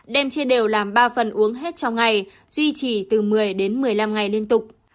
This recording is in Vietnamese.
đêm chia đều làm ba phần uống hết trong ngày duy trì từ một mươi đến một mươi năm ngày liên tục